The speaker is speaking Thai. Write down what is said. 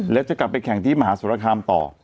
แล้วจะกลับไปแข่งที่มหาสรคามต่อ